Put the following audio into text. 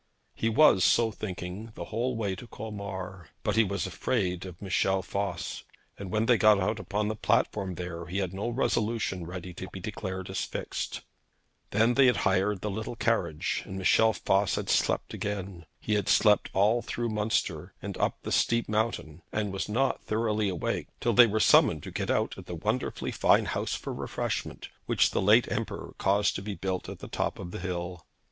He was so thinking the whole way to Colmar. But he was afraid of Michel Voss, and when they got out upon the platform there, he had no resolution ready to be declared as fixed. Then they had hired the little carriage, and Michel Voss had slept again. He had slept all through Munster, and up the steep mountain, and was not thoroughly awake till they were summoned to get out at the wonderfully fine house for refreshment which the late Emperor caused to be built at the top of the hill.